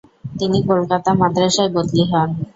তিনি কলকাতা মাদ্রাসায় বদলী হন।